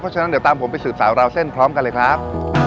ฉะนั้นเดี๋ยวตามผมไปสืบสาวราวเส้นพร้อมกันเลยครับ